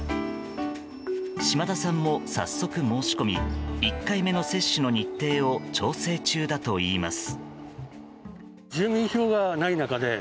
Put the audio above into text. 島田さんも早速申し込み１回目の接種の日程を調整中だといいます。